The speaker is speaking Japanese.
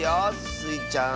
スイちゃん